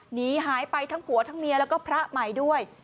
หนีหายไปทั้งผัวทั้งเมียแล้วก็พระใหม่ด้วย